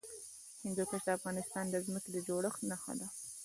هندوکش د افغانستان د ځمکې د جوړښت نښه ده.